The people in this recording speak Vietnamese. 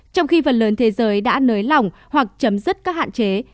trong khi phần lớn thế giới đã nới lỏng hoặc chấm dứt các hạn chế